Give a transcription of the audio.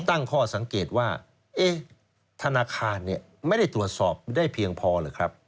ตั้งข้อสังเกตว่าธนาคารไม่ได้ตรวจสอบได้เพียงพอหรือครับ